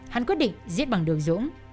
hắn quyết định giết bằng đường dũng